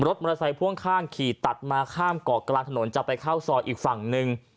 มอเตอร์ไซค่วงข้างขี่ตัดมาข้ามเกาะกลางถนนจะไปเข้าซอยอีกฝั่งหนึ่ง